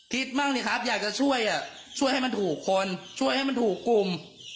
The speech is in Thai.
คิดบ้างสิครับอยากจะช่วยช่วยให้มันถูกคนช่วยให้มันถูกกลุ่ม